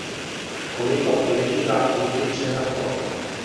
Колико политика утиче на то?